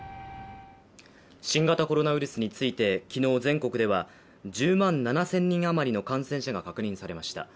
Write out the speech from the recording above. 新型コロナウイルスについて昨日全国では１０万７０００人あまりの感染者が確認されました。